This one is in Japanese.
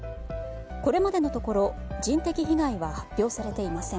これまでのところ人的被害は発表されていません。